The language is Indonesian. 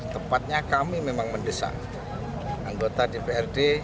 tepatnya kami memang mendesak anggota dprd